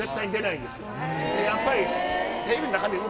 やっぱり。